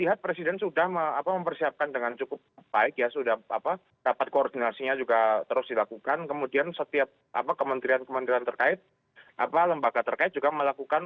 lihat presiden sudah mempersiapkan dengan cukup baik ya sudah rapat koordinasinya juga terus dilakukan kemudian setiap kementerian kementerian terkait lembaga terkait juga melakukan